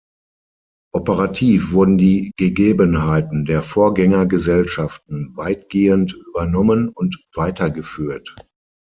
Operativ wurden die Gegebenheiten der Vorgängergesellschaften weitgehend übernommen und weitergeführt.